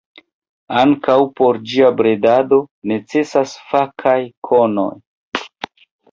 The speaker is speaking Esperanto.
Ankaŭ por ĝia bredado necesas fakaj konoj.